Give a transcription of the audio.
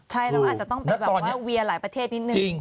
ใช่เราอาจจะต้องเวียร์หลายประเทศนิดนึง